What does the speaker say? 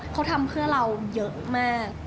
เขาทำเพื่อเราเยอะมาก